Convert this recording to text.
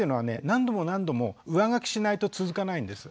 何度も何度も上書きしないと続かないんです。